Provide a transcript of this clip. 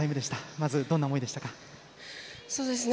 まず、どんな思いでしたか？